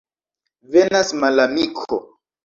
Venas malamiko!